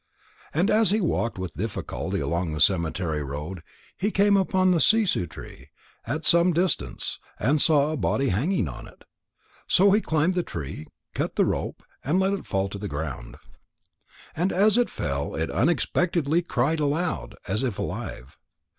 And as he walked with difficulty along the cemetery road, he came upon the sissoo tree at some distance, and saw a body hanging on it. So he climbed the tree, cut the rope, and let it fall to the ground. And as it fell, it unexpectedly cried aloud, as if alive.